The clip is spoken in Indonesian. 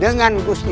dan juga dengan